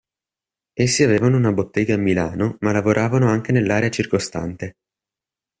Essi avevano una bottega a Milano, ma lavorarono anche nell'area circostante.